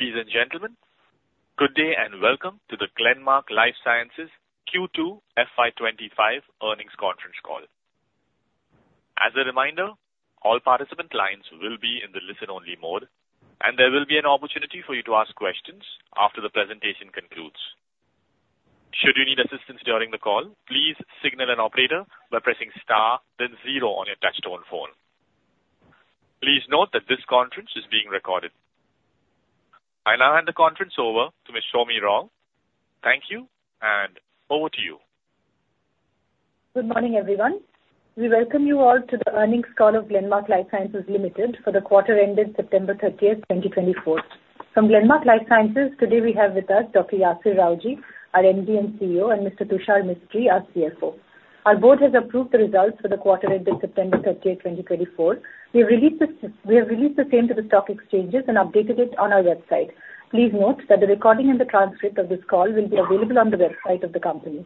Ladies and gentlemen, good day, and welcome to the Glenmark Life Sciences Q2 FY 2025 Earnings Conference Call. As a reminder, all participant lines will be in the listen-only mode, and there will be an opportunity for you to ask questions after the presentation concludes. Should you need assistance during the call, please signal an operator by pressing star, then zero on your touchtone phone. Please note that this conference is being recorded. I now hand the conference over to Ms. Soumi Rao. Thank you, and over to you. Good morning, everyone. We welcome you all to the earnings call of Glenmark Life Sciences Limited for the quarter ended September 30th, 2024. From Glenmark Life Sciences, today we have with us Dr. Yasir Rawjee, our MD and CEO, and Mr. Tushar Mistry, our CFO. Our board has approved the results for the quarter ended September 30th, 2024. We have released the same to the stock exchanges and updated it on our website. Please note that the recording and the transcript of this call will be available on the website of the company.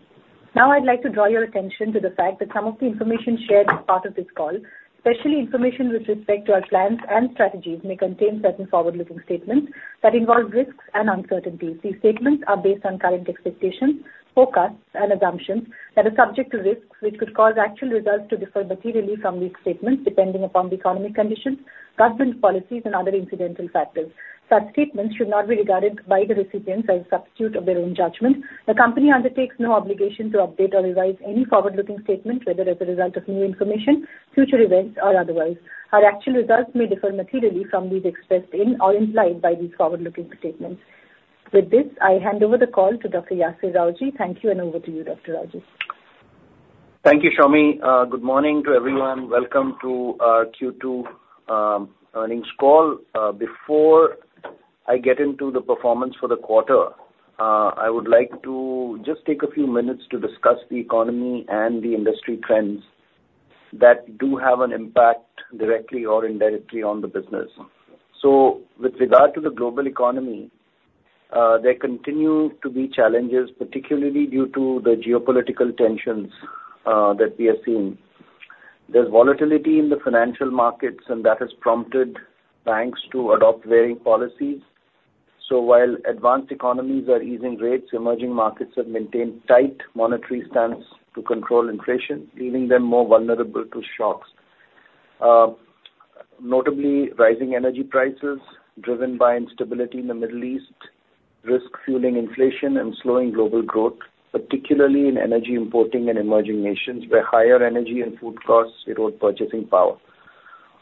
Now, I'd like to draw your attention to the fact that some of the information shared as part of this call, especially information with respect to our plans and strategies, may contain certain forward-looking statements that involve risks and uncertainties. These statements are based on current expectations, forecasts, and assumptions that are subject to risks, which could cause actual results to differ materially from these statements, depending upon the economic conditions, government policies, and other incidental factors. Such statements should not be regarded by the recipients as a substitute of their own judgment. The company undertakes no obligation to update or revise any forward-looking statements, whether as a result of new information, future events, or otherwise. Our actual results may differ materially from these expressed in or implied by these forward-looking statements. With this, I hand over the call to Dr. Yasir Rawjee. Thank you, and over to you, Dr. Rawjee. Thank you, Soumi. Good morning to everyone. Welcome to our Q2 earnings call. Before I get into the performance for the quarter, I would like to just take a few minutes to discuss the economy and the industry trends that do have an impact, directly or indirectly, on the business. So with regard to the global economy, there continue to be challenges, particularly due to the geopolitical tensions that we have seen. There's volatility in the financial markets, and that has prompted banks to adopt varying policies. So while advanced economies are easing rates, emerging markets have maintained tight monetary stance to control inflation, leaving them more vulnerable to shocks. Notably, rising energy prices, driven by instability in the Middle East, risk fueling inflation and slowing global growth, particularly in energy importing and emerging nations, where higher energy and food costs erode purchasing power.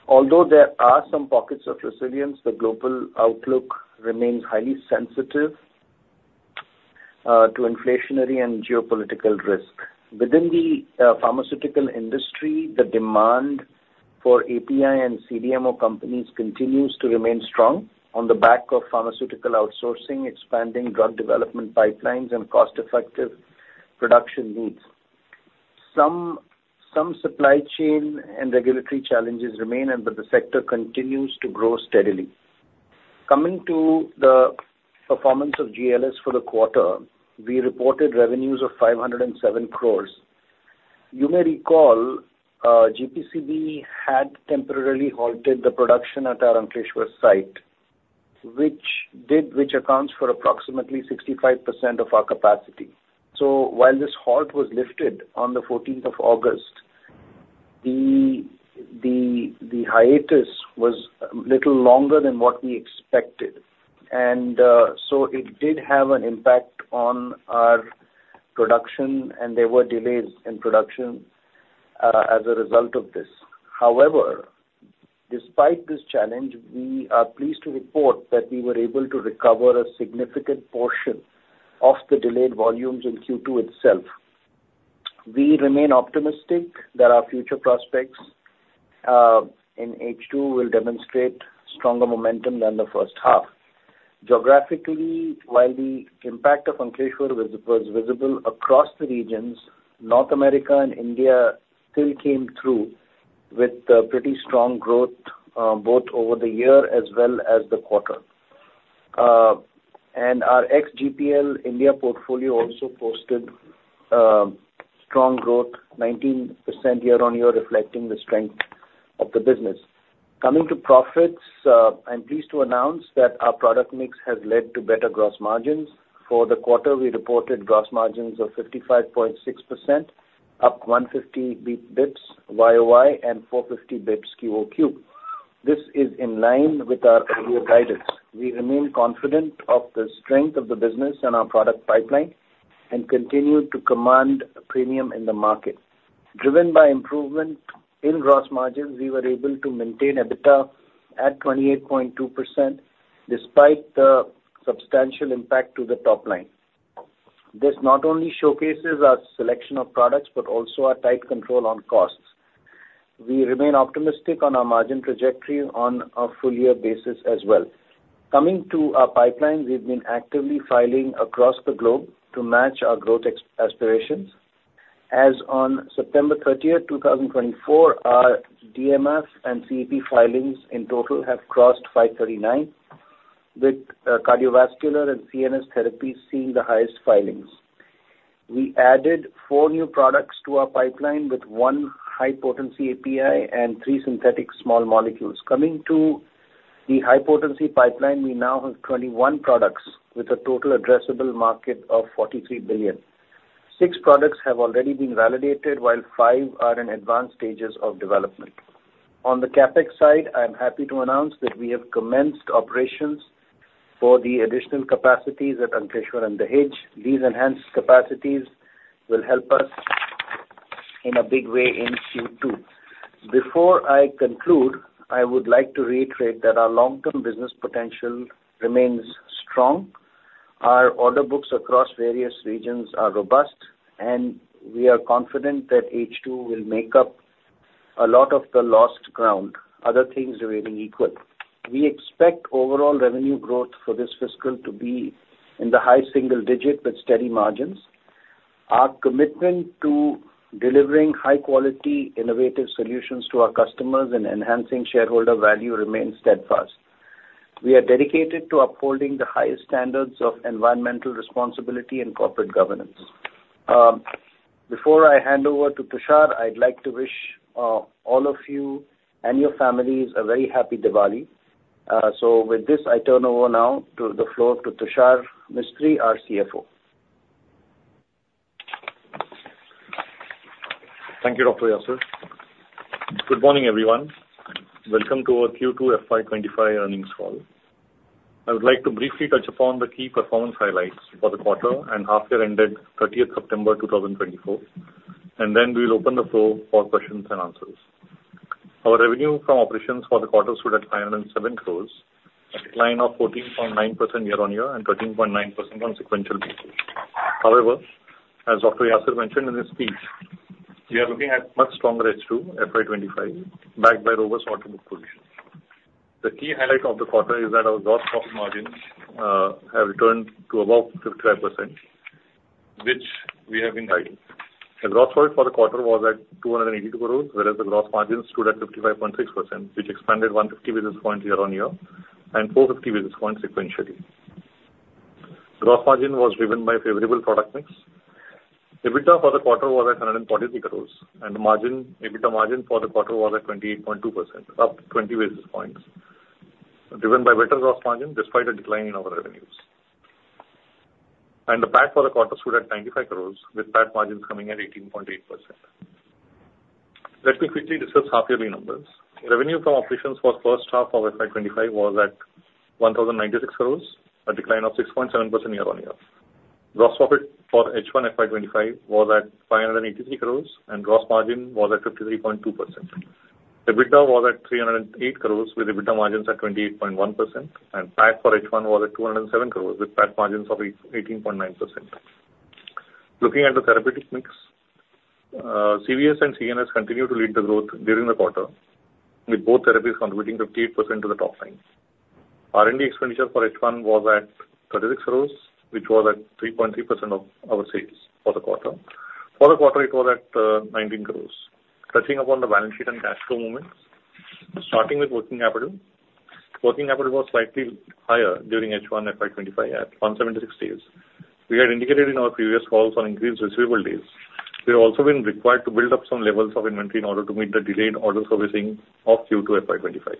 Although there are some pockets of resilience, the global outlook remains highly sensitive to inflationary and geopolitical risk. Within the pharmaceutical industry, the demand for API and CDMO companies continues to remain strong on the back of pharmaceutical outsourcing, expanding drug development pipelines, and cost-effective production needs. Some supply chain and regulatory challenges remain, but the sector continues to grow steadily. Coming to the performance of GLS for the quarter, we reported revenues of 507 crores. You may recall, GPCB had temporarily halted the production at our Ankleshwar site, which accounts for approximately 65% of our capacity. So while this halt was lifted on the 14th of August, the hiatus was a little longer than what we expected, and so it did have an impact on our production, and there were delays in production as a result of this. However, despite this challenge, we are pleased to report that we were able to recover a significant portion of the delayed volumes in Q2 itself. We remain optimistic that our future prospects in H2 will demonstrate stronger momentum than the first half. Geographically, while the impact of Ankleshwar was visible across the regions, North America and India still came through with pretty strong growth, both over the year as well as the quarter. And our ex-GPL India portfolio also posted strong growth, 19% year on year, reflecting the strength of the business. Coming to profits, I'm pleased to announce that our product mix has led to better gross margins. For the quarter, we reported gross margins of 55.6%, up 150 basis points YOY and 450 basis points QOQ. This is in line with our earlier guidance. We remain confident of the strength of the business and our product pipeline and continue to command a premium in the market. Driven by improvement in gross margins, we were able to maintain EBITDA at 28.2%, despite the substantial impact to the top line. This not only showcases our selection of products, but also our tight control on costs. We remain optimistic on our margin trajectory on a full year basis as well. Coming to our pipeline, we've been actively filing across the globe to match our growth expectations. As on September 30th, 2024, our DMF and CEP filings in total have crossed 539, with cardiovascular and CNS therapies seeing the highest filings. We added four new products to our pipeline, with one high-potency API and three synthetic small molecules. Coming to the high-potency pipeline, we now have 21 products with a total addressable market of $43 billion. Six products have already been validated, while five are in advanced stages of development. On the CapEx side, I'm happy to announce that we have commenced operations for the additional capacities at Ankleshwar and Dahej. These enhanced capacities will help us in a big way in Q2. Before I conclude, I would like to reiterate that our long-term business potential remains strong, our order books across various regions are robust, and we are confident that H2 will make up a lot of the lost ground, other things remaining equal. We expect overall revenue growth for this fiscal to be in the high single digit with steady margins. Our commitment to delivering high-quality, innovative solutions to our customers and enhancing shareholder value remains steadfast. We are dedicated to upholding the highest standards of environmental responsibility and corporate governance. Before I hand over to Tushar, I'd like to wish all of you and your families a very happy Diwali, so with this, I turn over now to the floor to Tushar Mistry, our CFO. Thank you, Dr. Yasir. Good morning, everyone. Welcome to our Q2 FY 2025 earnings call. I would like to briefly touch upon the key performance highlights for the quarter and half year ended 30th September 2024, and then we'll open the floor for questions and answers. Our revenue from operations for the quarter stood at 507 crores, a decline of 14.9% year-on-year and 13.9% on sequential basis. However, as Dr. Yasir mentioned in his speech, we are looking at much stronger H2 FY 2025, backed by robust order book position. The key highlight of the quarter is that our gross profit margins have returned to above 55%, which we have been guiding. The gross profit for the quarter was at 282 crores, whereas the gross margin stood at 55.6%, which expanded 150 basis points year-on-year and 450 basis points sequentially. Gross margin was driven by favorable product mix. EBITDA for the quarter was at 143 crores, and the margin, EBITDA margin for the quarter was at 28.2%, up 20 basis points, driven by better gross margin despite a decline in our revenues. The PAT for the quarter stood at 95 crores, with PAT margins coming at 18.8%. Let me quickly discuss half-yearly numbers. Revenue from operations for first half of FY 2025 was at 1,096 crores, a decline of 6.7% year-on-year. Gross profit for H1 FY 2025 was at 583 crore, and gross margin was at 53.2%. EBITDA was at 308 crore, with EBITDA margins at 28.1%, and PAT for H1 was at 207 crore, with PAT margins of 18.9%. Looking at the therapeutic mix, CVS and CNS continued to lead the growth during the quarter, with both therapies contributing 58% to the top line. R&D expenditure for H1 was at 36 crore, which was at 3.3% of our sales for the quarter. For the quarter, it was at 19 crores. Touching upon the balance sheet and cash flow movements. Starting with working capital, working capital was slightly higher during H1 FY 2025 at 176 days. We had indicated in our previous calls on increased receivable days. We have also been required to build up some levels of inventory in order to meet the delayed order servicing of Q2 FY 2025.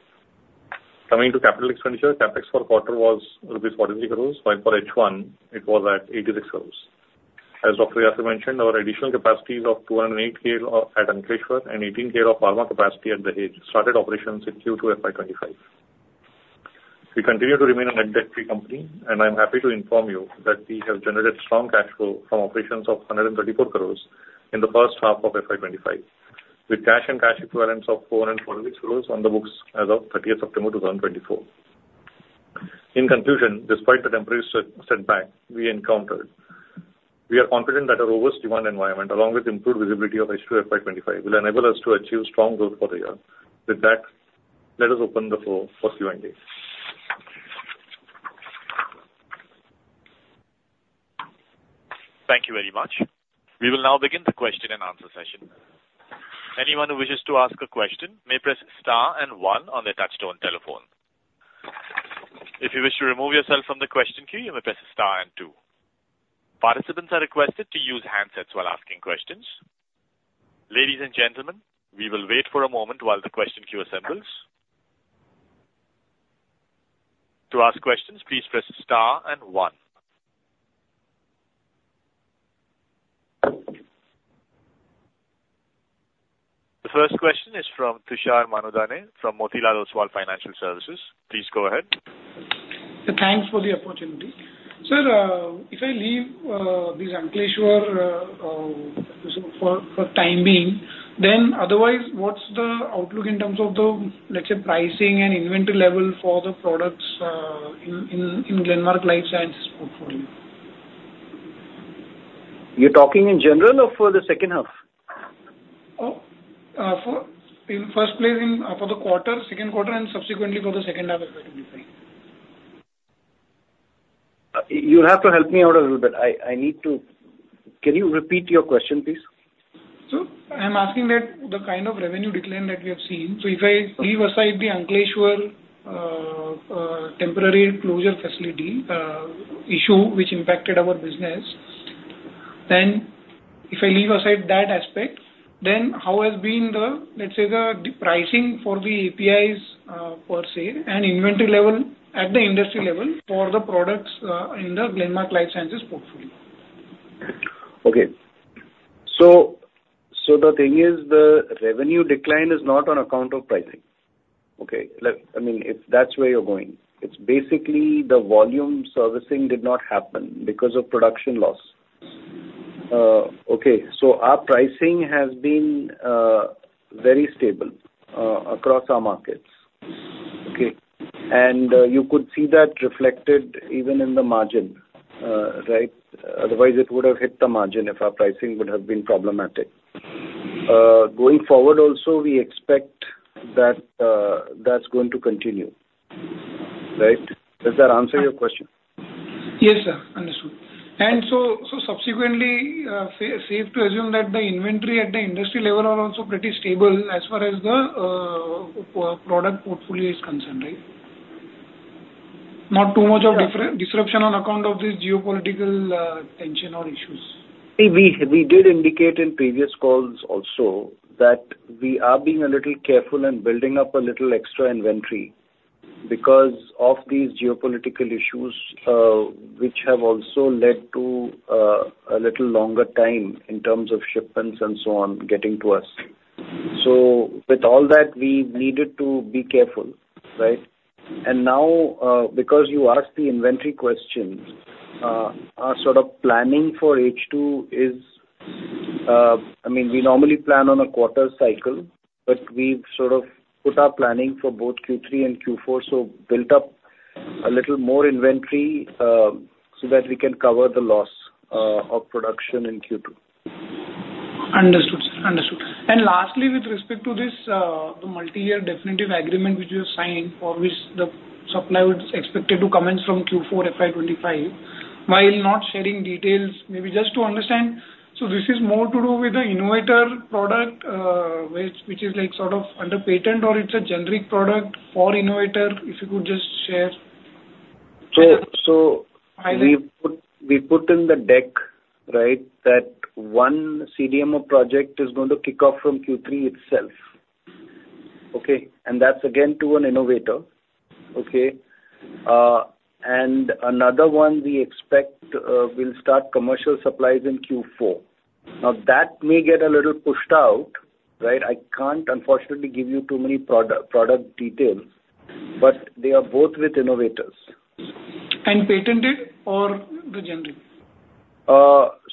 Coming to capital expenditure, CapEx for quarter was rupees 43 crores, while for H1, it was at 86 crores. As Dr. Yasir mentioned, our additional capacities of 208 KL at Ankleshwar and 18 KL of pharma capacity at Dahej started operations in Q2 FY 2025. We continue to remain a net debt-free company, and I'm happy to inform you that we have generated strong cash flow from operations of 134 crores in the first half of FY 2025, with cash and cash equivalents of 448 crores on the books as of 30th September 2024. In conclusion, despite the temporary setback we encountered, we are confident that a robust demand environment, along with improved visibility of H2 FY 2025, will enable us to achieve strong growth for the year. With that, let us open the floor for Q&A. Thank you very much. We will now begin the question and answer session. Anyone who wishes to ask a question may press star and one on their touchtone telephone. If you wish to remove yourself from the question queue, you may press star and two. Participants are requested to use handsets while asking questions. Ladies and gentlemen, we will wait for a moment while the question queue assembles. To ask questions, please press star and one. The first question is from Tushar Manudhane from Motilal Oswal Financial Services. Please go ahead. Thanks for the opportunity. Sir, if I leave this Ankleshwar, so for time being, then otherwise, what's the outlook in terms of the, let's say, pricing and inventory level for the products, in Glenmark Life Sciences portfolio? You're talking in general or for the second half? In first place, for the quarter, second quarter, and subsequently for the second half as well. You have to help me out a little bit. I need to... Can you repeat your question, please? I'm asking that the kind of revenue decline that we have seen, so if I leave aside the Ankleshwar temporary closure facility issue which impacted our business, then if I leave aside that aspect, then how has been the, let's say, the pricing for the APIs per se, and inventory level at the industry level for the products in the Glenmark Life Sciences portfolio? Okay. So the thing is, the revenue decline is not on account of pricing, okay? Like, I mean, if that's where you're going. It's basically the volume servicing did not happen because of production loss. Okay, so our pricing has been very stable across our markets, okay? And you could see that reflected even in the margin, right? Otherwise, it would have hit the margin if our pricing would have been problematic. Going forward also, we expect that that's going to continue, right? Does that answer your question? Yes, sir. Understood. And so, so subsequently, safe to assume that the inventory at the industry level are also pretty stable as far as the, product portfolio is concerned, right? Not too much of disruption on account of this geopolitical, tension or issues. We did indicate in previous calls also that we are being a little careful and building up a little extra inventory because of these geopolitical issues, which have also led to a little longer time in terms of shipments and so on, getting to us. So with all that, we needed to be careful, right? And now, because you asked the inventory question, our sort of planning for H2 is, I mean, we normally plan on a quarter cycle, but we've sort of put our planning for both Q3 and Q4, so built up a little more inventory, so that we can cover the loss of production in Q2. Understood, sir. Understood. And lastly, with respect to this, the multi-year definitive agreement which you signed, for which the supply would expected to commence from Q4 FY 2025, while not sharing details, maybe just to understand, so this is more to do with the innovator product, which, which is like sort of under patent, or it's a generic product for innovator? If you could just share. So, so- Either. We put in the deck, right, that one CDMO project is going to kick off from Q3 itself, okay? And that's again, to an innovator, okay? And another one we expect will start commercial supplies in Q4. Now, that may get a little pushed out, right? I can't unfortunately give you too many product details, but they are both with innovators. Patented or the generic?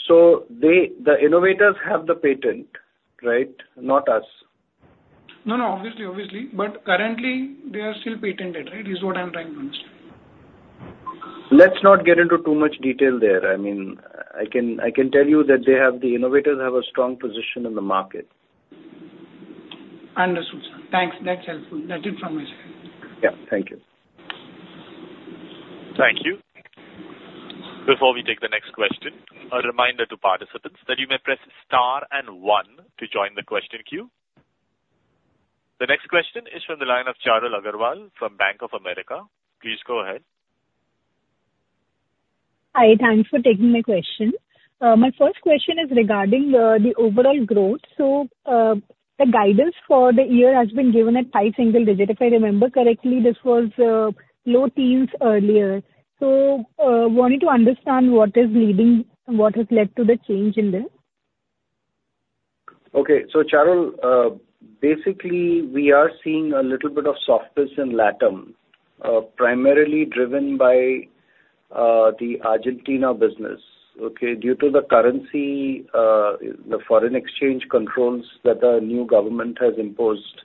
So they, the innovators have the patent, right? Not us. No, no, obviously, obviously. But currently, they are still patented, right? This is what I'm trying to understand. Let's not get into too much detail there. I mean, I can tell you that they have, the innovators have a strong position in the market. Understood, sir. Thanks. That's helpful. That's it from my side. Yeah. Thank you. Thank you. Before we take the next question, a reminder to participants that you may press star and one to join the question queue. The next question is from the line of Charul Agrawal from Bank of America. Please go ahead. Hi, thanks for taking my question. My first question is regarding the overall growth. So, the guidance for the year has been given at high single digit. If I remember correctly, this was low teens earlier. So, wanted to understand what is leading, what has led to the change in this? Okay. So, Charul, basically, we are seeing a little bit of softness in LATAM, primarily driven by the Argentina business, okay? Due to the currency, the foreign exchange controls that the new government has imposed,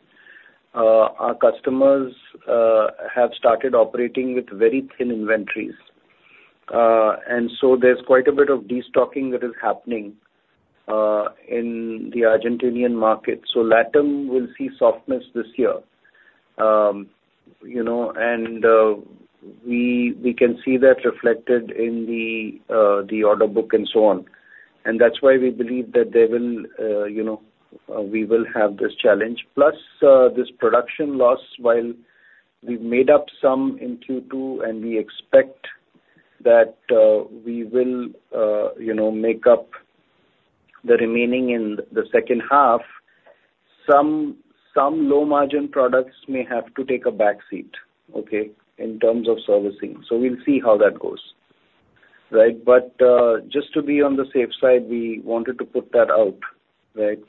our customers have started operating with very thin inventories. And so there's quite a bit of destocking that is happening in the Argentinian market. So LATAM will see softness this year. You know, and we can see that reflected in the order book and so on. And that's why we believe that they will, you know, we will have this challenge. Plus, this production loss, while we've made up some in Q2, and we expect that, we will, you know, make up the remaining in the second half, some low-margin products may have to take a backseat, okay, in terms of servicing. So we'll see how that goes, right? But, just to be on the safe side, we wanted to put that out, right?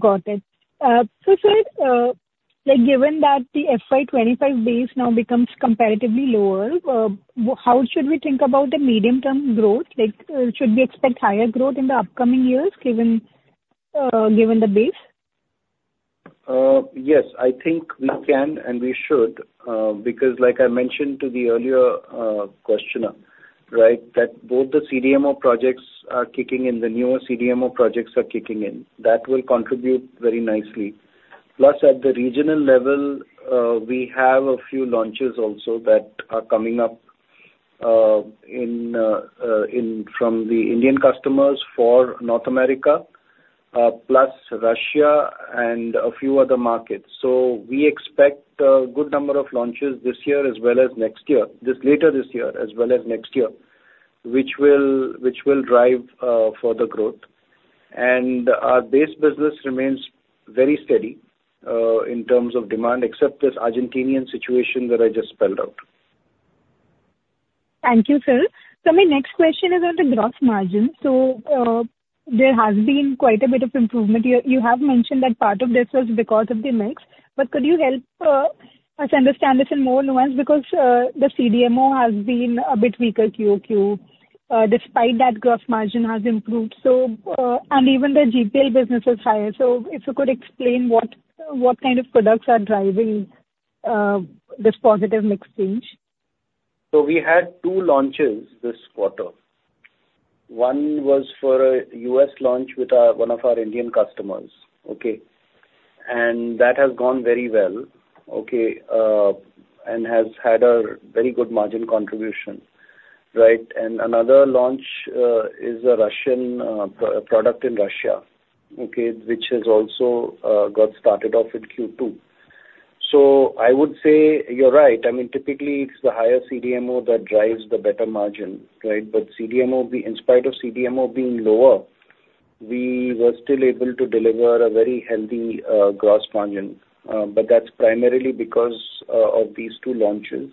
Got it. So, sir, like, given that the FY 2025 base now becomes comparatively lower, how should we think about the medium-term growth? Like, should we expect higher growth in the upcoming years, given the base? Yes, I think we can and we should, because like I mentioned to the earlier questioner, right, that both the CDMO projects are kicking in, the newer CDMO projects are kicking in. That will contribute very nicely. Plus, at the regional level, we have a few launches also that are coming up, in from the Indian customers for North America, plus Russia and a few other markets. So we expect a good number of launches this year as well as next year, just later this year, as well as next year, which will drive further growth. And our base business remains very steady in terms of demand, except this Argentinian situation that I just spelled out. Thank you, sir. So my next question is on the gross margin. So, there has been quite a bit of improvement. You have mentioned that part of this was because of the mix, but could you help us understand this in more nuance? Because, the CDMO has been a bit weaker QOQ, despite that gross margin has improved. So, and even the GPL business is higher. So if you could explain what kind of products are driving this positive mix change? So we had two launches this quarter. One was for a U.S. launch with one of our Indian customers, okay? And that has gone very well, okay, and has had a very good margin contribution, right? And another launch is a Russian product in Russia, okay? Which has also got started off in Q2. So I would say you're right. I mean, typically it's the higher CDMO that drives the better margin, right? But CDMO in spite of CDMO being lower, we were still able to deliver a very healthy gross margin. But that's primarily because of these two launches.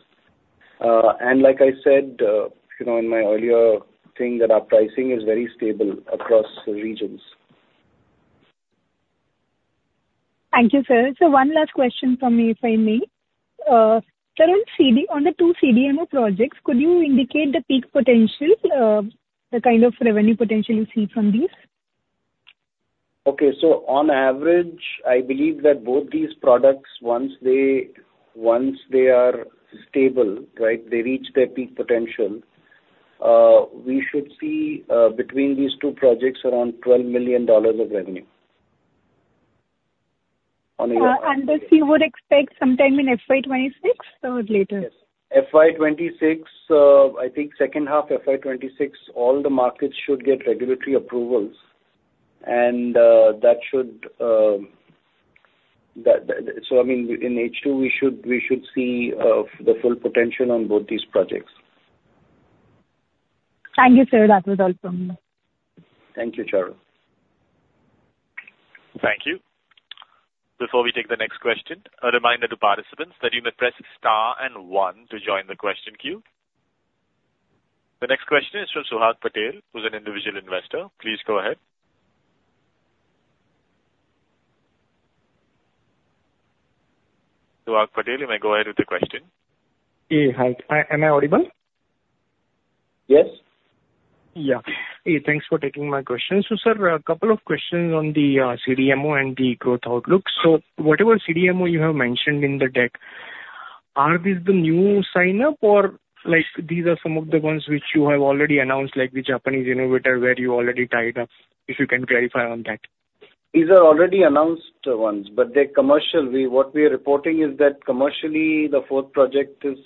And like I said, you know, in my earlier thing, that our pricing is very stable across the regions. Thank you, sir. So one last question from me, if I may. Sir, on the two CDMO projects, could you indicate the peak potential, the kind of revenue potential you see from these? Okay. So on average, I believe that both these products, once they are stable, right, they reach their peak potential, we should see, between these two projects around $12 million of revenue. And this you would expect sometime in FY 2026 or later? Yes. FY 2026, I think second half FY 2026, all the markets should get regulatory approvals, and that should... so I mean, in H2, we should see the full potential on both these projects. Thank you, sir. That was all from me. Thank you, Charul. Thank you. Before we take the next question, a reminder to participants that you may press star and one to join the question queue. The next question is from Suhag Patel, who's an individual investor. Please go ahead. Suhag Patel, you may go ahead with the question. Yeah, hi. Am I audible? Yes. Yeah. Hey, thanks for taking my question. So, sir, a couple of questions on the, CDMO and the growth outlook. So whatever CDMO you have mentioned in the deck, are these the new sign up, or, like, these are some of the ones which you have already announced, like the Japanese innovator where you already tied up? If you can clarify on that. These are already announced ones, but they're commercial. What we are reporting is that commercially, the fourth project is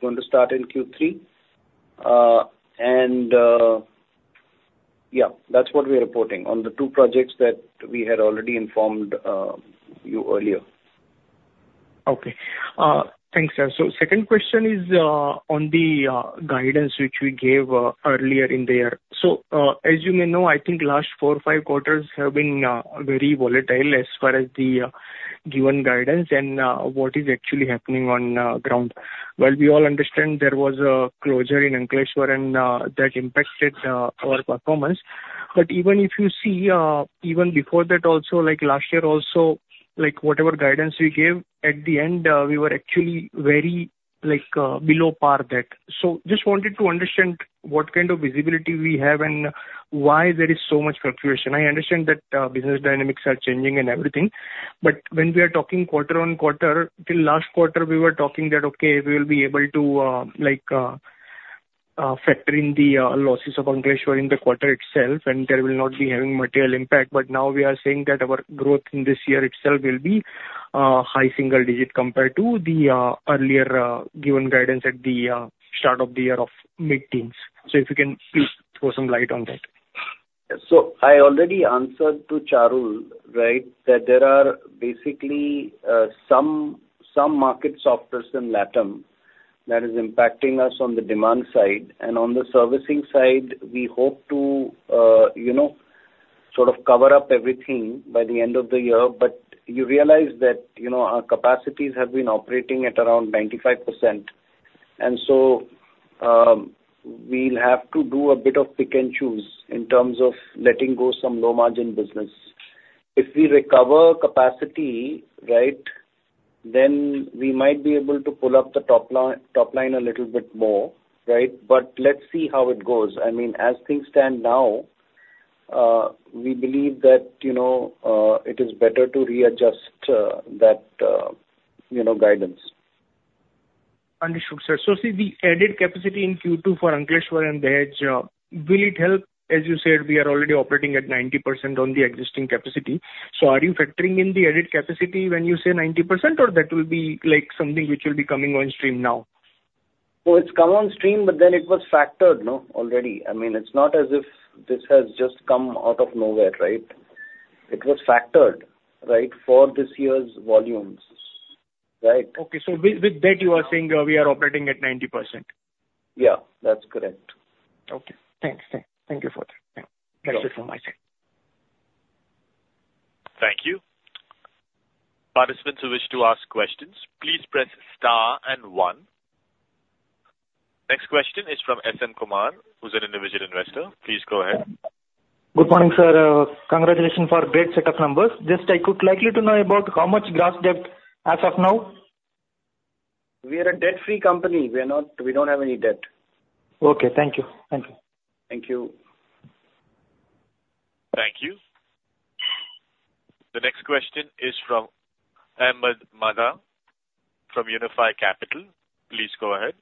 going to start in Q3. And, yeah, that's what we are reporting on the two projects that we had already informed you earlier. Okay. Thanks, sir. So second question is on the guidance which we gave earlier in the year. So, as you may know, I think last four, five quarters have been very volatile as far as the given guidance and what is actually happening on ground. While we all understand there was a closure in Ankleshwar, and that impacted our performance. But even if you see, even before that, also, like last year also, like, whatever guidance we gave, at the end, we were actually very, like, below par that. So just wanted to understand what kind of visibility we have and why there is so much fluctuation. I understand that business dynamics are changing and everything, but when we are talking quarter-on-quarter, till last quarter, we were talking that, okay, we will be able to like factor in the losses of Ankleshwar in the quarter itself, and there will not be having material impact, but now we are saying that our growth in this year itself will be high single digit compared to the earlier given guidance at the start of the year of mid-teens, so if you can please throw some light on that. So I already answered to Charul, right? That there are basically some markets softer than LATAM that is impacting us on the demand side, and on the servicing side, we hope to, you know, sort of cover up everything by the end of the year. But you realize that, you know, our capacities have been operating at around 95%, and so, we'll have to do a bit of pick and choose in terms of letting go some low-margin business. If we recover capacity, right, then we might be able to pull up the top line a little bit more, right? But let's see how it goes. I mean, as things stand now, we believe that, you know, it is better to readjust that, you know, guidance. Understood, sir. So see, the added capacity in Q2 for Ankleshwar and Dahej, will it help? As you said, we are already operating at 90% on the existing capacity. So are you factoring in the added capacity when you say 90%, or that will be like something which will be coming on stream now? It's come on stream, but then it was factored, no, already. I mean, it's not as if this has just come out of nowhere, right? It was factored, right, for this year's volumes. Right? Okay, so with that, you are saying we are operating at 90%. Yeah, that's correct. Okay, thanks. Thank you for that. Yeah. Sure. That's it from my side. Thank you. Participants who wish to ask questions, please press star and one. Next question is from S.N. Kumar, who's an individual investor. Please go ahead. Good morning, sir. Congratulations for great set of numbers. Just I could likely to know about how much gross debt as of now? We are a debt-free company. We don't have any debt. Okay, thank you. Thank you. Thank you. Thank you. The next question is from Ahmed Madha from Unifi Capital. Please go ahead.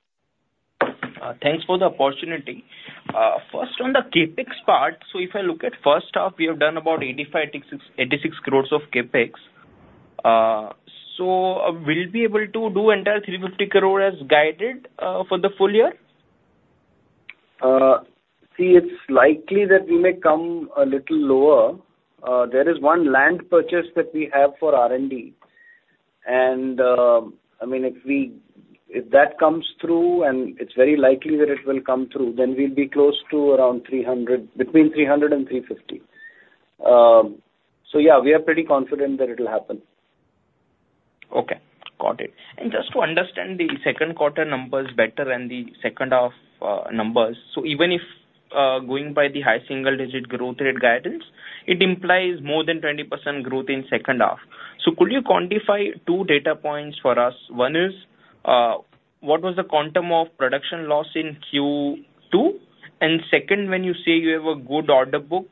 Thanks for the opportunity. First, on the CapEx part, so if I look at first half, we have done about 85 crores-INR86 crores of CapEx. We'll be able to do entire 350 crore as guided, for the full year? See, it's likely that we may come a little lower. There is one land purchase that we have for R&D, and, I mean, if that comes through, and it's very likely that it will come through, then we'll be close to around 300 crore, between 300 crore and 350 crore. So yeah, we are pretty confident that it'll happen. Okay, got it. And just to understand the second quarter numbers better than the second half numbers, so even if going by the high single-digit growth rate guidance, it implies more than 20% growth in second half. So could you quantify two data points for us? One is what was the quantum of production loss in Q2? And second, when you say you have a good order book,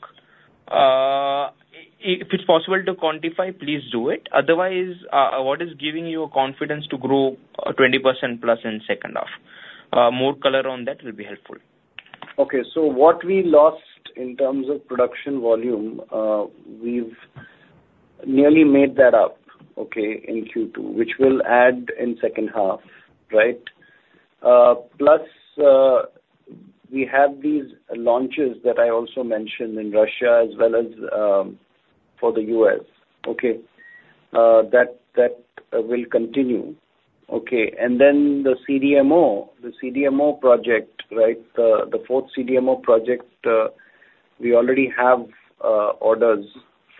if it's possible to quantify, please do it. Otherwise, what is giving you confidence to grow 20%+ in second half? More color on that will be helpful. Okay, so what we lost in terms of production volume, we've nearly made that up, okay, in Q2, which will add in second half, right? Plus, we have these launches that I also mentioned in Russia as well as for the U.S., okay? That will continue. Okay, and then the CDMO, the CDMO project, right, the fourth CDMO project, we already have orders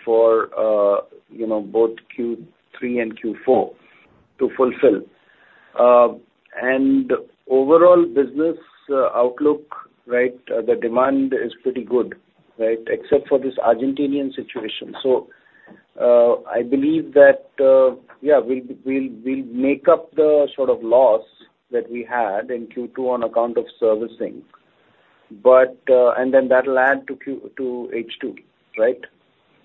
for, you know, both Q3 and Q4 to fulfill. And overall business outlook, right, the demand is pretty good, right, except for this Argentinian situation. So, I believe that, yeah, we'll make up the sort of loss that we had in Q2 on account of servicing. But and then that'll add to H2, right?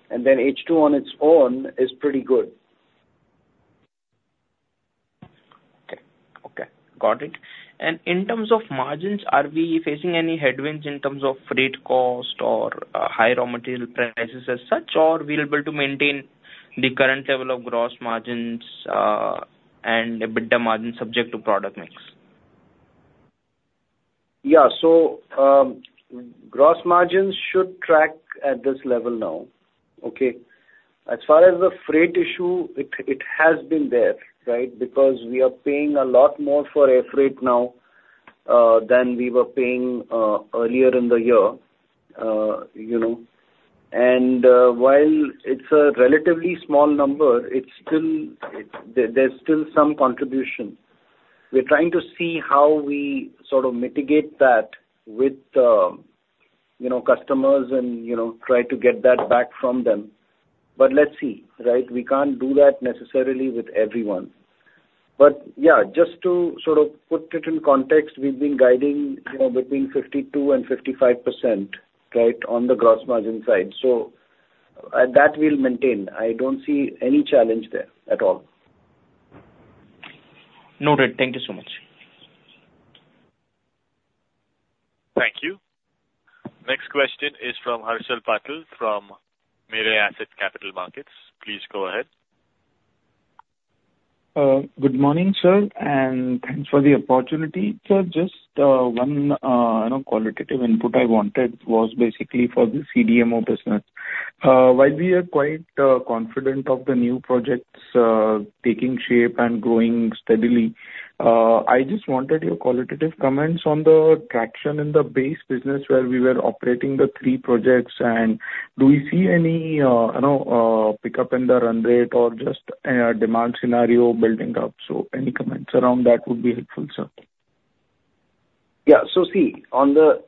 And then H2 on its own is pretty good. Okay. Okay, got it. And in terms of margins, are we facing any headwinds in terms of freight cost or higher raw material prices as such, or we're able to maintain the current level of gross margins and EBITDA margins subject to product mix? Yeah, so, gross margins should track at this level now, okay? As far as the freight issue, it has been there, right? Because we are paying a lot more for air freight now, than we were paying, earlier in the year, you know. And, while it's a relatively small number, it's still, there's still some contribution. We're trying to see how we sort of mitigate that with, you know, customers and, you know, try to get that back from them. But let's see, right? We can't do that necessarily with everyone. But yeah, just to sort of put it in context, we've been guiding, you know, between 52% and 55%, right, on the gross margin side. So, that we'll maintain. I don't see any challenge there at all. Noted. Thank you so much. Thank you. Next question is from Harshal Patil from Mirae Asset Capital Markets. Please go ahead. Good morning, sir, and thanks for the opportunity. Sir, just one, you know, qualitative input I wanted was basically for the CDMO business. While we are quite confident of the new projects taking shape and growing steadily, I just wanted your qualitative comments on the traction in the base business where we were operating the three projects. And do you see any, you know, pickup in the run rate or just demand scenario building up? So any comments around that would be helpful, sir. Yeah, so see, on the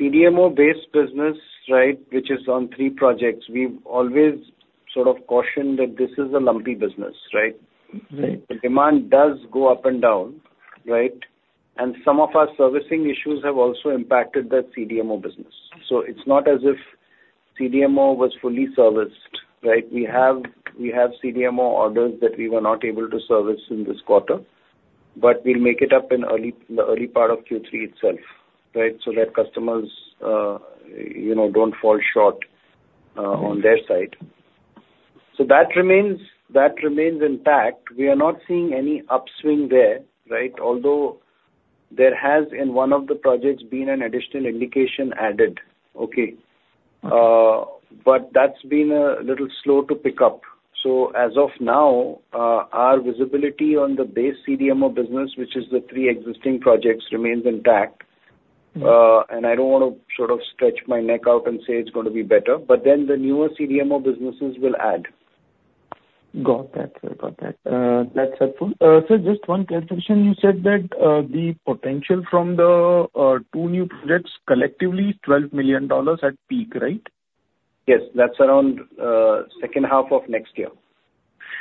CDMO base business, right, which is on three projects, we've always sort of cautioned that this is a lumpy business, right? Mm-hmm. The demand does go up and down, right? And some of our servicing issues have also impacted that CDMO business. So it's not as if CDMO was fully serviced, right? We have CDMO orders that we were not able to service in this quarter, but we'll make it up in the early part of Q3 itself, right? So that customers, you know, don't fall short on their side. So that remains intact. We are not seeing any upswing there, right? Although there has, in one of the projects, been an additional indication added. Okay. But that's been a little slow to pick up. So as of now, our visibility on the base CDMO business, which is the three existing projects, remains intact. Mm. And I don't want to sort of stretch my neck out and say it's going to be better, but then the newer CDMO businesses will add. Got that. Sir, got that. That's helpful. Sir, just one clarification. You said that, the potential from the two new projects, collectively $12 million at peak, right? Yes. That's around second half of next year.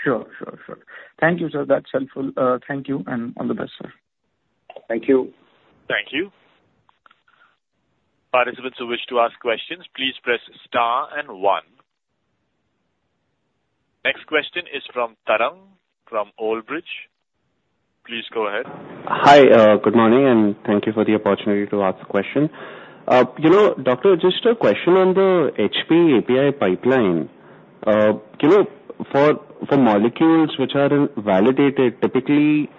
Sure, sure, sure. Thank you, sir. That's helpful. Thank you, and all the best, sir. Thank you. Thank you. Participants who wish to ask questions, please press star and one. Next question is from Tarang, from Old Bridge. Please go ahead. Hi, good morning, and thank you for the opportunity to ask the question. You know, doctor, just a question on the HPAPI pipeline. You know, for molecules which are validated typically,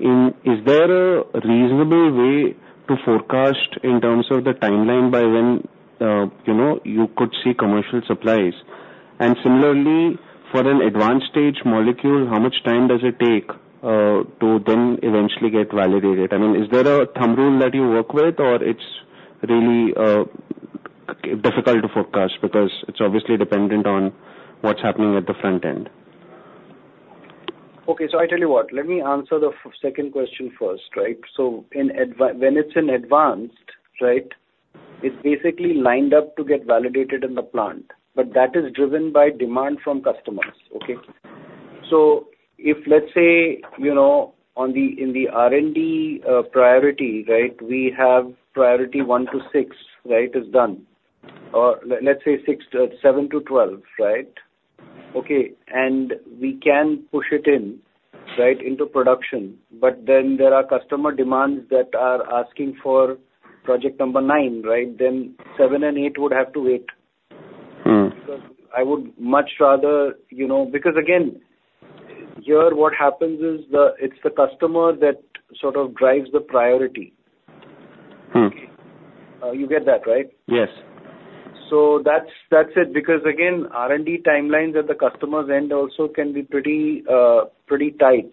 is there a reasonable way to forecast in terms of the timeline by when you could see commercial supplies? And similarly, for an advanced stage molecule, how much time does it take to then eventually get validated? I mean, is there a thumb rule that you work with, or it's really difficult to forecast because it's obviously dependent on what's happening at the front end? Okay, so I tell you what, let me answer the second question first, right? So in advanced, when it's in advanced, right, it's basically lined up to get validated in the plant, but that is driven by demand from customers. Okay? So if let's say, you know, on the, in the R&D priority, right, we have priority one to six, right, is done. Or let's say six to seven to 12, right? Okay, and we can push it in, right, into production, but then there are customer demands that are asking for project number nine, right? Then seven and eight would have to wait. Mm. I would much rather... You know, because again, here what happens is the, it's the customer that sort of drives the priority. Mm. You get that, right? Yes. So that's, that's it. Because again, R&D timelines at the customer's end also can be pretty tight,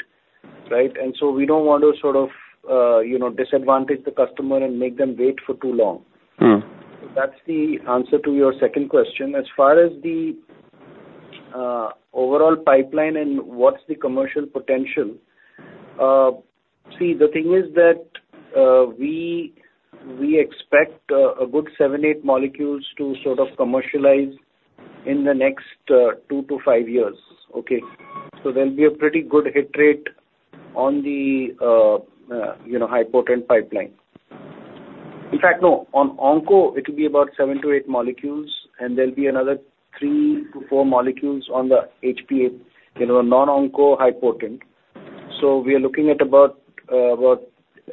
right? And so we don't want to sort of, you know, disadvantage the customer and make them wait for too long. Mm. That's the answer to your second question. As far as the overall pipeline and what's the commercial potential, see, the thing is that we expect a good seven, eight molecules to sort of commercialize in the next two to five years. Okay? So there'll be a pretty good hit rate on the you know, high potent pipeline. In fact, no, on onco, it will be about seven to eight molecules, and there'll be another three to four molecules on the HPAPI, you know, non-onco high potent. So we are looking at about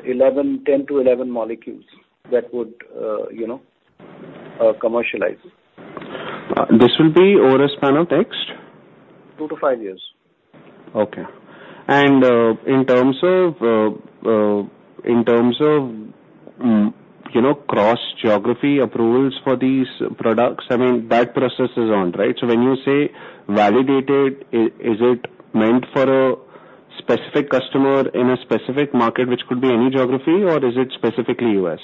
11, 10-11 molecules that would you know, commercialize. This will be over a span of next? Two-to-five years. Okay. And in terms of you know cross-geography approvals for these products, I mean, that process is on, right? So when you say validated, is it meant for a specific customer in a specific market, which could be any geography, or is it specifically U.S.?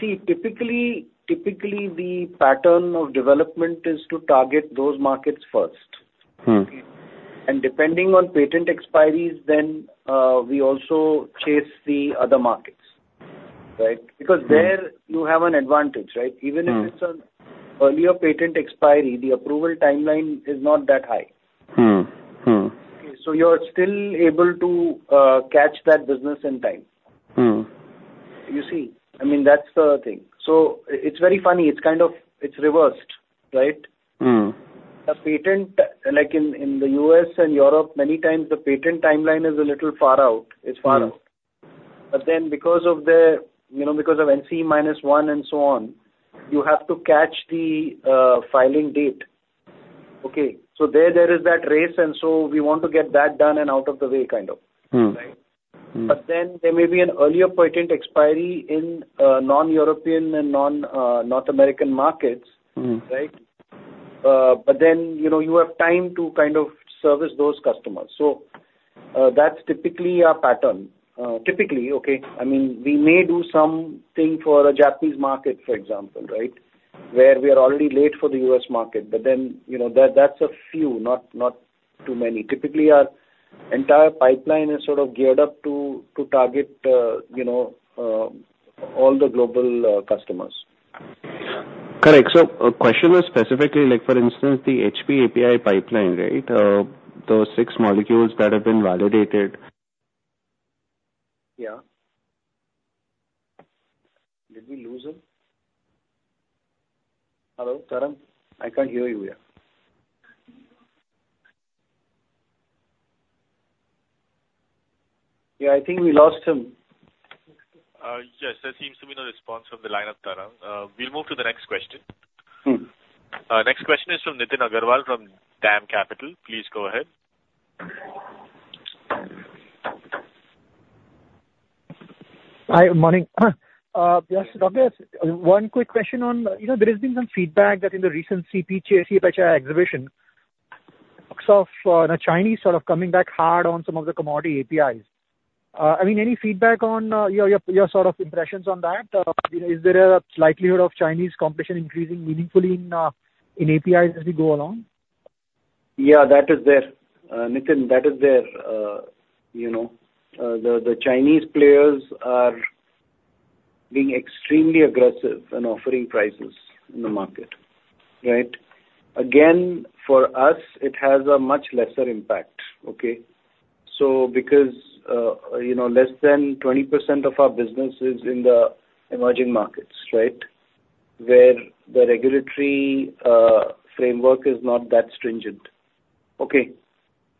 See, typically, the pattern of development is to target those markets first. Mm. And depending on patent expiries, then, we also chase the other markets, right? Mm. Because there you have an advantage, right? Mm. Even if it's an earlier patent expiry, the approval timeline is not that high. Mm. Mm. So you're still able to catch that business in time. Mm. You see, I mean, that's the thing. So it's very funny, it's kind of... It's reversed, right? Mm. A patent, like in the U.S. and Europe, many times the patent timeline is a little far out. Mm. But then, because of the, you know, because of NCE minus one and so on, you have to catch the filing date. Okay, so there is that race, and so we want to get that done and out of the way, kind of. Mm. Right? Mm. But then there may be an earlier patent expiry in non-European and non-North American markets. Mm. Right? But then, you know, you have time to kind of service those customers. So, that's typically our pattern. Typically, okay? I mean, we may do something for a Japanese market, for example, right? Where we are already late for the U.S. market, but then, you know, that, that's a few, not too many. Typically, our entire pipeline is sort of geared up to target, you know, all the global customers. Correct. So, question was specifically, like for instance, the HPAPI pipeline, right, those six molecules that have been validated- Yeah. Did we lose him? Hello, Tarang, I can't hear you here. Yeah, I think we lost him. Yes, there seems to be no response from the line of Tarang. We'll move to the next question. Hmm. Next question is from Nitin Agarwal from DAM Capital. Please go ahead. Hi, good morning. Yes, doctor, one quick question on, you know, there has been some feedback that in the recent CPhI exhibition, it looks like the Chinese sort of coming back hard on some of the commodity APIs. I mean, any feedback on your sort of impressions on that? You know, is there a likelihood of Chinese competition increasing meaningfully in APIs as we go along? Yeah, that is there. Nitin, that is there. You know, the Chinese players are being extremely aggressive in offering prices in the market, right? Again, for us, it has a much lesser impact, okay? So, because you know, less than 20% of our business is in the emerging markets, right? Where the regulatory framework is not that stringent. Okay,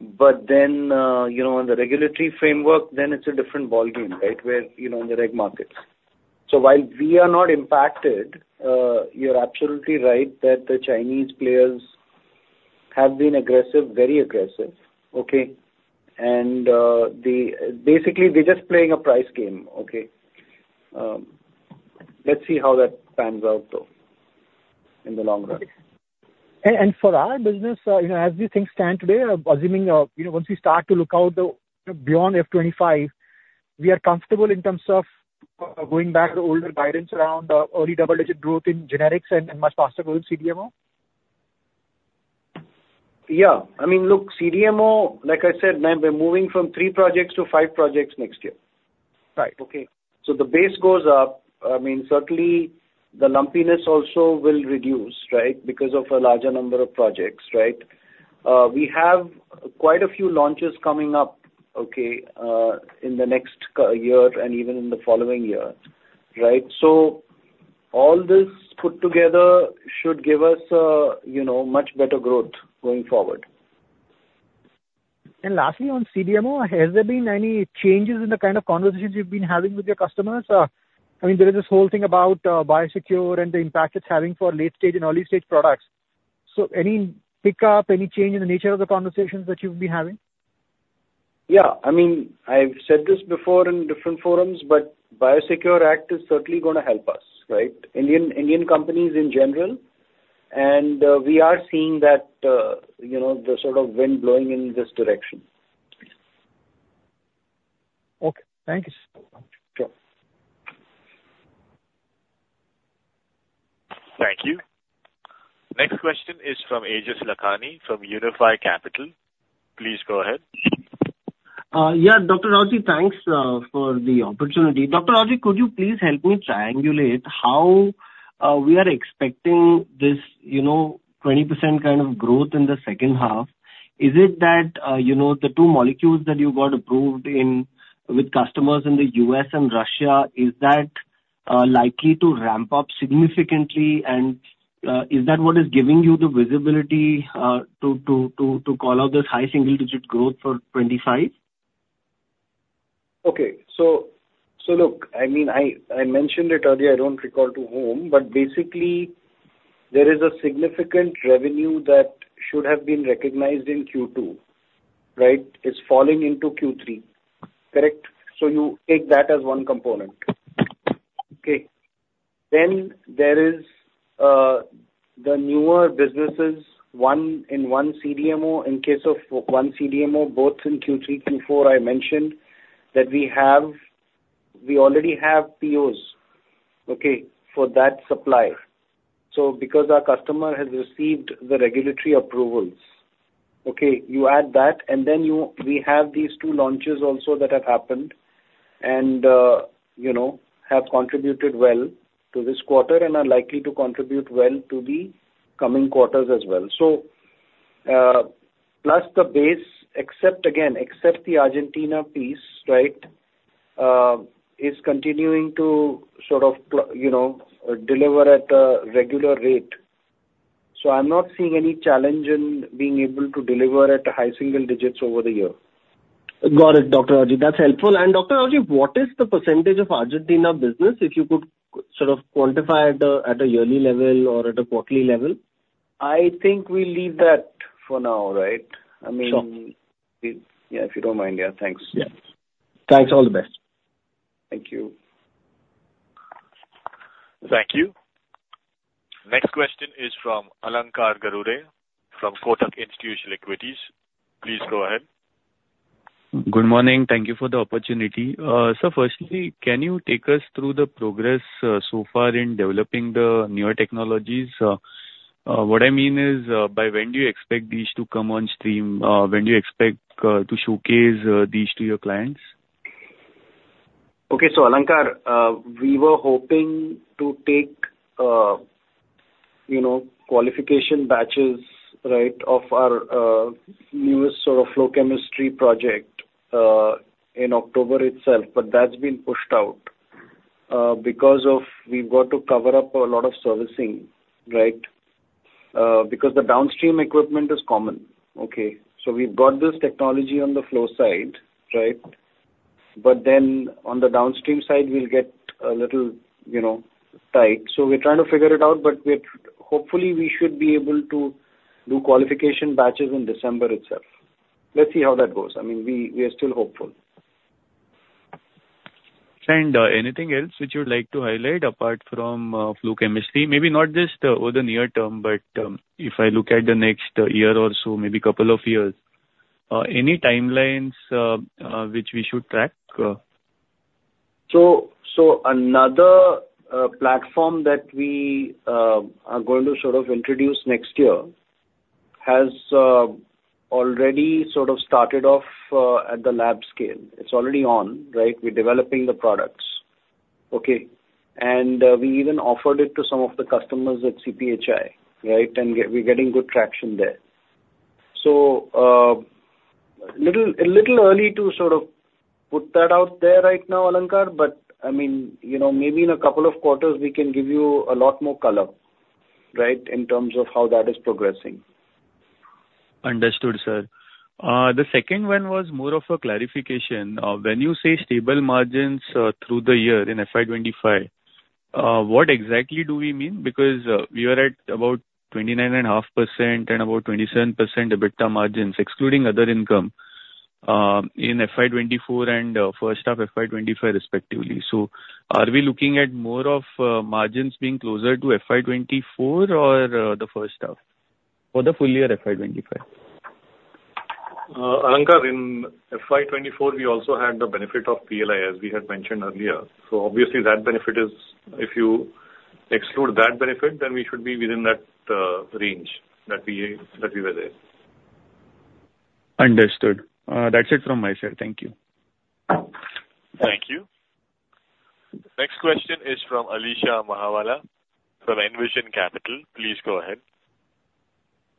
but then, you know, on the regulatory framework, then it is a different ballgame, right, where you know, in the reg markets. So while we are not impacted, you are absolutely right that the Chinese players have been aggressive, very aggressive, okay? And they basically, they are just playing a price game, okay? Let's see how that pans out, though, in the long run. For our business, you know, as these things stand today, assuming you know, once we start to look beyond FY 2025, we are comfortable in terms of going back to the older guidance around early double-digit growth in generics and much faster growth in CDMO? Yeah. I mean, look, CDMO, like I said, we're moving from three projects to five projects next year. Right. Okay? So the base goes up. I mean, certainly, the lumpiness also will reduce, right? Because of a larger number of projects, right? We have quite a few launches coming up, okay, in the next year and even in the following year, right? So all this put together should give us a, you know, much better growth going forward. And lastly, on CDMO, has there been any changes in the kind of conversations you've been having with your customers? I mean, there is this whole thing about, BIOSECURE and the impact it's having for late-stage and early-stage products. So any pickup, any change in the nature of the conversations that you've been having? Yeah. I mean, I've said this before in different forums, but BIOSECURE Act is certainly gonna help us, right? Indian companies in general, and, you know, the sort of wind blowing in this direction. Okay, thank you, sir. Sure. Thank you. Next question is from Aejas Lakhani, from Unifi Capital. Please go ahead. Yeah, Dr. Rawjee, thanks for the opportunity. Dr. Rawjee, could you please help me triangulate how we are expecting this, you know, 20% kind of growth in the second half? Is it that, you know, the two molecules that you got approved in with customers in the U.S. and Russia, is that likely to ramp up significantly? And is that what is giving you the visibility to call out this high single digit growth for 2025? Okay. So look, I mean, I mentioned it earlier, I don't recall to whom, but basically, there is a significant revenue that should have been recognized in Q2, right? It's falling into Q3. Correct? So you take that as one component. Okay. Then there is the newer businesses, one in one CDMO, in case of one CDMO, both in Q3, Q4, I mentioned, that we already have POs, okay, for that supplier. So because our customer has received the regulatory approvals, okay, you add that, and then we have these two launches also that have happened and, you know, have contributed well to this quarter and are likely to contribute well to the coming quarters as well. So, plus the base, except again, except the Argentina piece, right, is continuing to sort of, you know, deliver at a regular rate. So I'm not seeing any challenge in being able to deliver at high single digits over the year. Got it, Dr. Rawjee, that's helpful, and Dr. Rawjee, what is the percentage of Argentina business, if you could sort of quantify at a yearly level or at a quarterly level? I think we'll leave that for now, right? I mean- Sure. Yeah, if you don't mind, yeah. Thanks. Yeah. Thanks, all the best. Thank you. Thank you. Next question is from Alankar Garude, from Kotak Institutional Equities. Please go ahead. Good morning. Thank you for the opportunity. So firstly, can you take us through the progress so far in developing the newer technologies? What I mean is, by when do you expect these to come on stream, when do you expect to showcase these to your clients? Okay, so Alankar, we were hoping to take, you know, qualification batches, right? Of our, newest sort of flow chemistry project, in October itself. But that's been pushed out, because of we've got to cover up a lot of servicing, right? because the downstream equipment is common. Okay. So we've got this technology on the flow side, right? But then on the downstream side, we'll get a little, you know, tight. So we're trying to figure it out, but hopefully we should be able to do qualification batches in December itself. Let's see how that goes. I mean, we are still hopeful. Anything else which you'd like to highlight apart from flow chemistry? Maybe not just over the near term, but if I look at the next year or so, maybe couple of years, any timelines which we should track? So another platform that we are going to sort of introduce next year has already sort of started off at the lab scale. It's already on, right? We're developing the products. Okay. And we even offered it to some of the customers at CPhI, right? And we're getting good traction there. A little early to sort of put that out there right now, Alankar, but I mean, you know, maybe in a couple of quarters, we can give you a lot more color, right? In terms of how that is progressing. Understood, sir. The second one was more of a clarification. When you say stable margins through the year in FY 2025, what exactly do we mean? Because we are at about 29.5% and about 27% EBITDA margins, excluding other income, in FY 2024 and first half FY 2025 respectively. So are we looking at more of margins being closer to FY 2024 or the first half for the full year FY 2025? Alankar, in FY 2024, we also had the benefit of PLI, as we had mentioned earlier. So obviously, that benefit is if you exclude that benefit, then we should be within that range that we were there. Understood. That's it from my side. Thank you. Thank you. Next question is from Alisha Mahawla for Envision Capital. Please go ahead.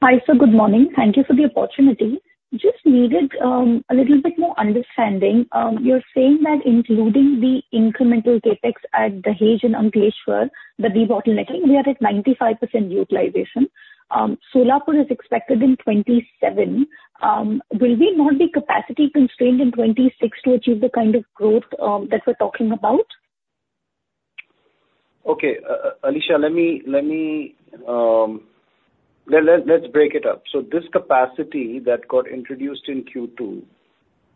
Hi, sir. Good morning. Thank you for the opportunity. Just needed a little bit more understanding. You're saying that including the incremental CapEx at Dahej and Ankleshwar, the debottlenecking, we are at 95% utilization. Solapur is expected in 2027. Will we not be capacity constrained in 2026 to achieve the kind of growth that we're talking about? Okay. Alisha, let me break it up. So this capacity that got introduced in Q2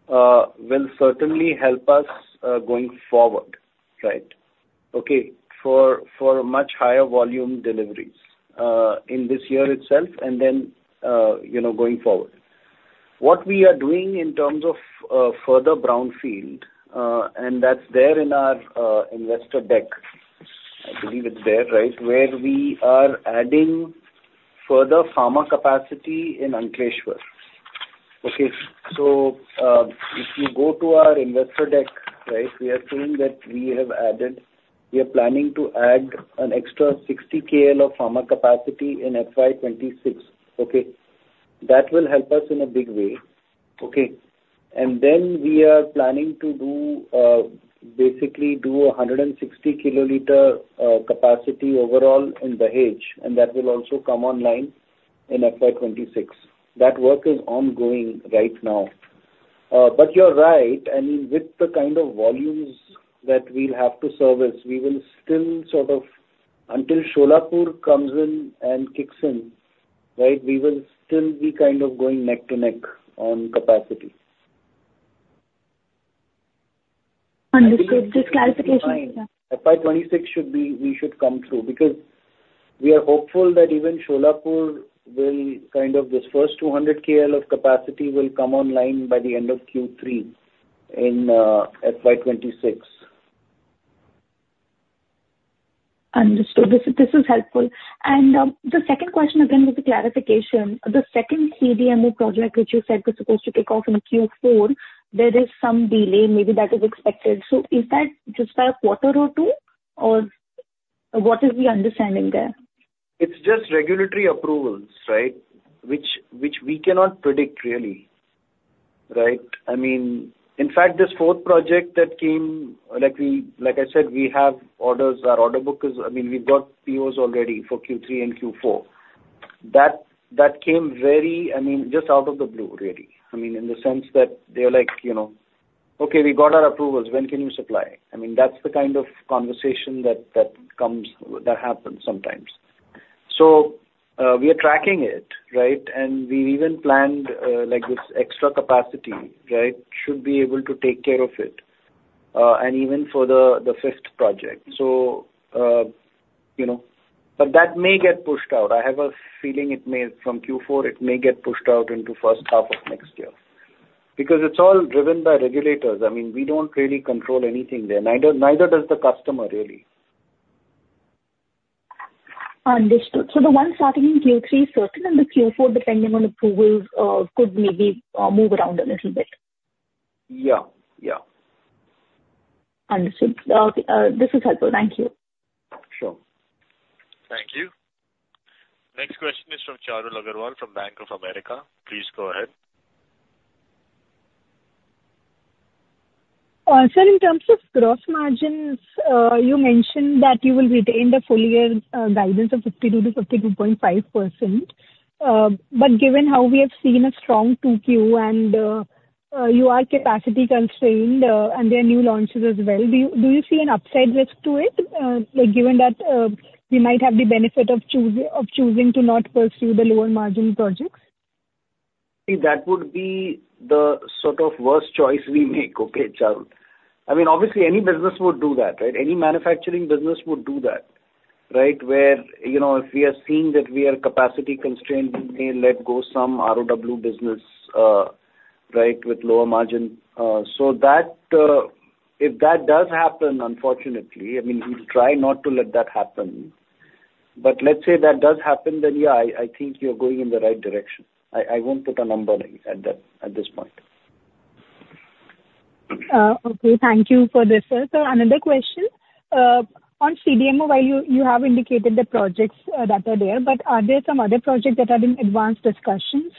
will certainly help us going forward, right? Okay, for much higher volume deliveries in this year itself and then, you know, going forward. What we are doing in terms of further brownfield, and that's there in our investor deck. I believe it's there, right? Where we are adding further pharma capacity in Ankleshwar. Okay. So if you go to our investor deck, right, we are saying that we are planning to add an extra 60 KL of pharma capacity in FY 2026, okay? That will help us in a big way. Okay. And then we are planning to do basically 160 kiloliter capacity overall in Dahej, and that will also come online in FY 2026. That work is ongoing right now. But you're right. I mean, with the kind of volumes that we'll have to service, we will still sort of until Solapur comes in and kicks in, right, we will still be kind of going neck to neck on capacity. Understood. Just clarification. FY 2026 should be. We should come through, because we are hopeful that even Solapur will kind of, this first 200 KL of capacity will come online by the end of Q3 in FY 2026. Understood. This is helpful. And, the second question again, was a clarification. The second CDMO project, which you said was supposed to kick off in Q4, there is some delay, maybe that is expected. So is that just a quarter or two, or what is the understanding there? It's just regulatory approvals, right? Which we cannot predict really, right? I mean, in fact, this fourth project that came, like I said, we have orders. Our order book is, I mean, we've got POs already for Q3 and Q4. That came very, I mean, just out of the blue, really. I mean, in the sense that they're like, you know, "Okay, we got our approvals. When can you supply?" I mean, that's the kind of conversation that comes, that happens sometimes. So, we are tracking it, right? And we even planned, like, this extra capacity, right? Should be able to take care of it, and even for the fifth project. So, you know, but that may get pushed out. I have a feeling it may, from Q4, it may get pushed out into first half of next year. Because it's all driven by regulators. I mean, we don't really control anything there, neither does the customer, really. Understood. So the one starting in Q3 is certain, and the Q4, depending on approvals, could maybe move around a little bit? Yeah. Yeah. Understood. Okay, this is helpful. Thank you! Sure. Thank you. Next question is from Charul Agrawal from Bank of America. Please go ahead. Sir, in terms of gross margins, you mentioned that you will retain the full year guidance of 52%-52.5%, but given how we have seen a strong 2Q, and you are capacity constrained, and there are new launches as well, do you see an upside risk to it? Like, given that you might have the benefit of choosing to not pursue the lower margin projects? See, that would be the sort of worst choice we make, okay, Charu. I mean, obviously, any business would do that, right? Any manufacturing business would do that, right? Where, you know, if we are seeing that we are capacity constrained, we may let go some ROW business, right, with lower margin. So that, if that does happen, unfortunately, I mean, we try not to let that happen. But let's say that does happen, then, yeah, I think you're going in the right direction. I won't put a number on that at this point. Okay. Thank you for this, sir. So another question on CDMO, while you have indicated the projects that are there, but are there some other projects that are in advanced discussions?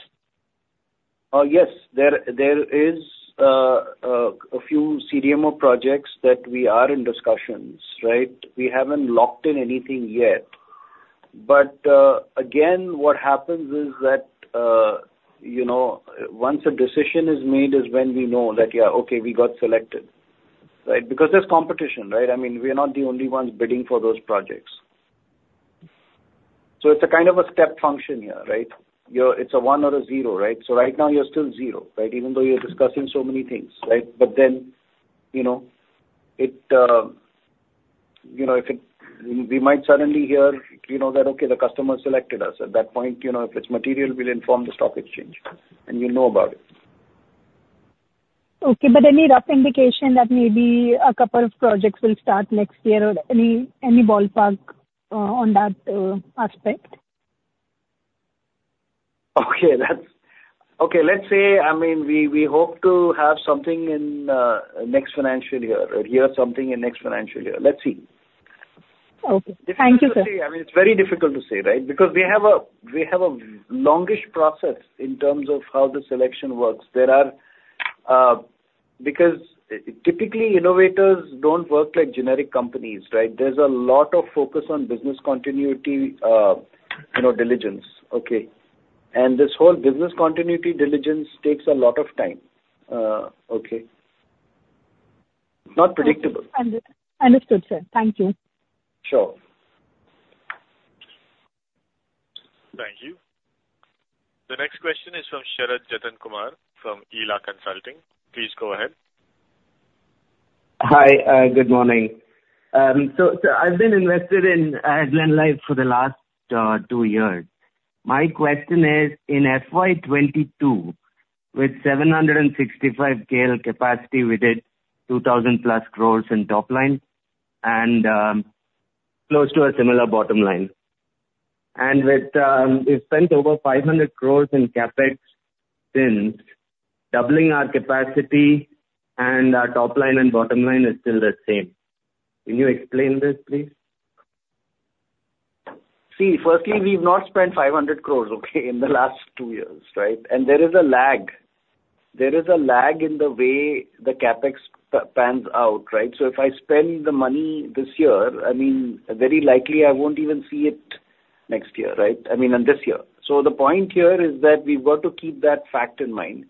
Yes, there is a few CDMO projects that we are in discussions, right? We haven't locked in anything yet. But again, what happens is that you know, once a decision is made is when we know that, yeah, okay, we got selected, right? Because there's competition, right? I mean, we are not the only ones bidding for those projects. So it's a kind of a step function here, right? It's a one or a zero, right? So right now, you're still zero, right? Even though you're discussing so many things, right? But then, you know, if it, we might suddenly hear, you know, that, okay, the customer selected us. At that point, you know, if it's material, we'll inform the stock exchange, and you'll know about it. Okay, but any rough indication that maybe a couple of projects will start next year or any ballpark on that aspect? Okay, that's okay. Let's say, I mean, we hope to have something in next financial year, or hear something in next financial year. Let's see. Okay. Thank you, sir. I mean, it's very difficult to say, right? Because we have a, we have a longish process in terms of how the selection works. There are, because typically, innovators don't work like generic companies, right? There's a lot of focus on business continuity, you know, diligence, okay? And this whole business continuity diligence takes a lot of time. Okay. Not predictable. Understood, sir. Thank you. Sure. Thank you. The next question is from Sharad Jatan Kumar from Ela Consulting. Please go ahead. Hi, good morning. I've been invested in Glenmark Life for the last two years. My question is, in FY 2022, with 765 KL capacity, we did 2000+ crores in top line and close to a similar bottom line. And we've spent over 500 crores in CapEx since, doubling our capacity and our top line and bottom line is still the same. Can you explain this, please? See, firstly, we've not spent 500 crores, okay, in the last two years, right? There is a lag. There is a lag in the way the CapEx pans out, right? So if I spend the money this year, I mean, very likely I won't even see it next year, right? I mean, and this year. So the point here is that we've got to keep that fact in mind.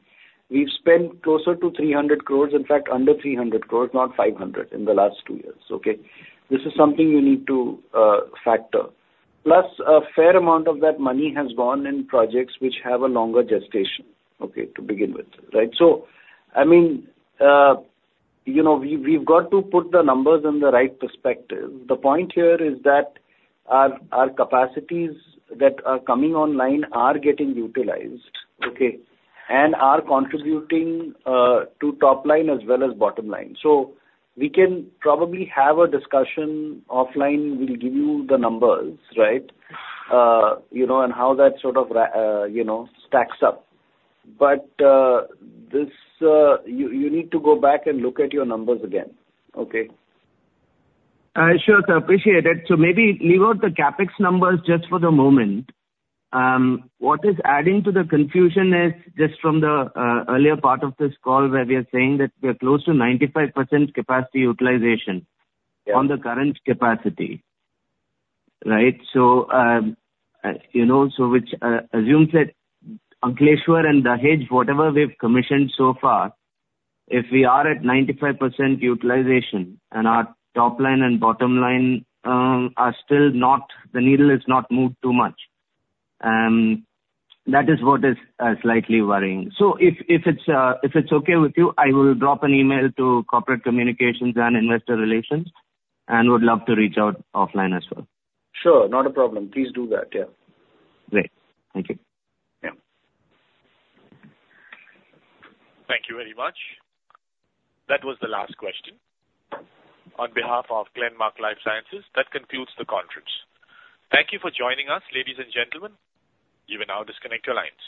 We've spent closer to 300 crores, in fact, under 300 crores, not 500, in the last two years, okay? This is something you need to factor. Plus, a fair amount of that money has gone in projects which have a longer gestation, okay, to begin with, right? So, I mean, you know, we've got to put the numbers in the right perspective. The point here is that our capacities that are coming online are getting utilized, okay? And are contributing to top line as well as bottom line. So we can probably have a discussion offline. We'll give you the numbers, right? You know, and how that sort of, you know, stacks up. But this, you need to go back and look at your numbers again, okay? Sure, sir. Appreciate it. So maybe leave out the CapEx numbers just for the moment. What is adding to the confusion is just from the earlier part of this call, where we are saying that we are close to 95% capacity utilization- Yeah. On the current capacity, right? So, you know, so which assumes that Ankleshwar and Dahej, whatever we've commissioned so far, if we are at 95% utilization and our top line and bottom line are still not. The needle is not moved too much, that is what is slightly worrying. So if it's okay with you, I will drop an email to corporate communications and investor relations, and would love to reach out offline as well. Sure, not a problem. Please do that. Yeah. Great. Thank you. Yeah. Thank you very much. That was the last question. On behalf of Glenmark Life Sciences, that concludes the conference. Thank you for joining us, ladies and gentlemen. You may now disconnect your lines.